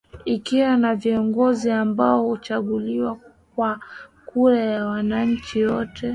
ikiwa na viongozi ambao huchaguliwa kwa kura ya wananchi wote